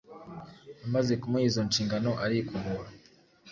Amaze kumuha izo nshingano arikubura,